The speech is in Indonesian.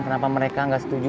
kenapa mereka gak setuju